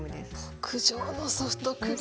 牧場のソフトクリーム。